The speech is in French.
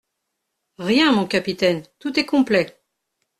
Rien, mon capitaine, tout est complet.